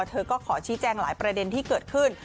เธอก็ขอชี้แจงหลายประเด็นที่เกิดขึ้น